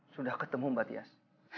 sudah ketemu mbak dias